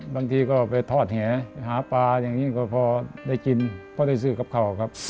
บางทีก็ไปทอดเหนียวหาปลายังนี้ก็พอได้กินก็ได้ซื้อกับเขาครับ